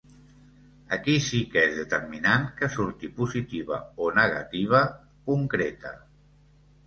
Aquí sí que és determinant que surti positiva o negativa, concreta.